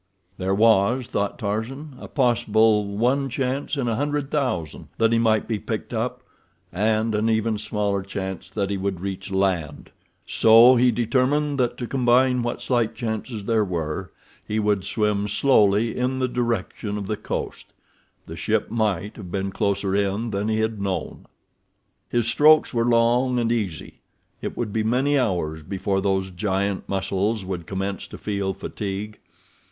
There was, thought Tarzan, a possible one chance in a hundred thousand that he might be picked up, and an even smaller chance that he would reach land, so he determined that to combine what slight chances there were, he would swim slowly in the direction of the coast—the ship might have been closer in than he had known. His strokes were long and easy—it would be many hours before those giant muscles would commence to feel fatigue.